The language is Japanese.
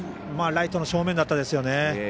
ライトの正面だったですよね。